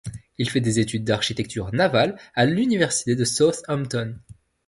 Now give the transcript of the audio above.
Il fait des études d'architecture navale à l'université de Southampton.